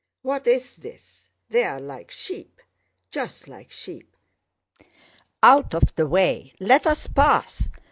"What is this? They're like sheep! Just like sheep! Out of the way!... Let us pass!...